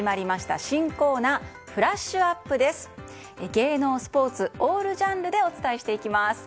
芸能スポーツ、オールジャンルでお伝えしていきます。